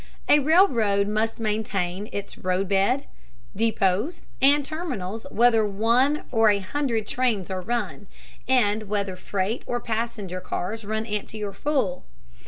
A railroad must maintain its roadbed, depots, and terminals whether one or an hundred trains are run, and whether freight or passenger cars run empty or full.